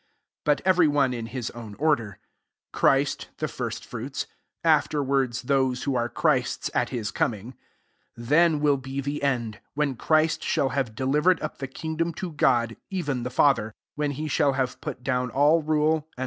25 But every one in his own order: Christ the first fruits; after wards those who are Christ's at his coming. 24 (yhtnwiU be the end, when ChrUt shall have delivered up the kingdom to €rod, even the Father; when he shall have put down all rule, and.